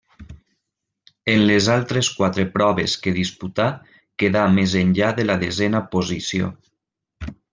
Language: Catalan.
En les altres quatre proves que disputà quedà més enllà de la desena posició.